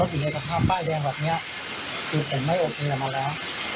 อยู่ในสภาพป้ายแดงแบบนี้คือผมไม่โอเคมาแล้ว